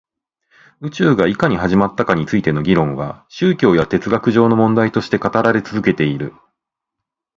宇宙がいかに始まったかについての議論は宗教や哲学上の問題として語られて続けている